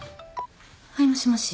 はいもしもし。